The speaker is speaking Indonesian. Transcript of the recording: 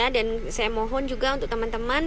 dan saya mohon juga untuk teman teman